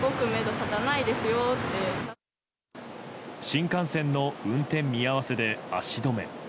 新幹線の運転見合わせで足止め。